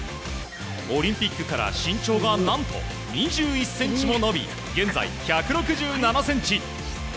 オリンピックから身長が何と２１ｃｍも伸び現在１６７ｃｍ。